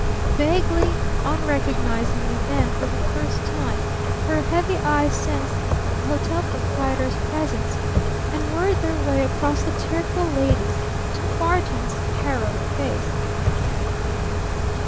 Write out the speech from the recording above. Vaguely, unrecognizingly then, for the first time, her heavy eyes sensed the hotel proprietor's presence and worried their way across the tearful ladies to Barton's harrowed face.